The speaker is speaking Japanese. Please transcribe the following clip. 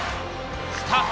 スタート！